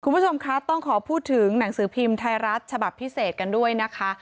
คุณผู้ชมคะต้องขอพูดถึงหนังสือพิมพ์ไทยรัฐฉบับพิเศษกันด้วยนะคะ